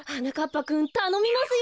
ぱくんたのみますよ。